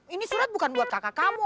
ini surat bukan buat kakak kamu